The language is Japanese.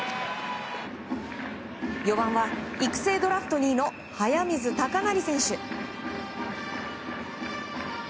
４番は育成ドラフト２位の速水隆成選手。